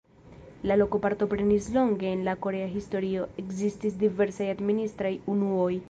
La loko partoprenis longe en la korea historio, ekzistis diversaj administraj unuoj.